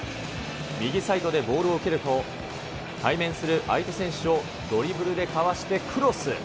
右サイドでボールを受けると、対面する相手選手をドリブルでかわしてクロス。